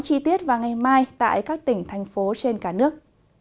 các tỉnh thành phố trên cả nước